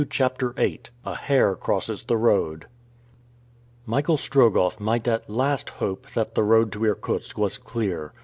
CHAPTER VIII A HARE CROSSES THE ROAD MICHAEL STROGOFF might at last hope that the road to Irkutsk was clear.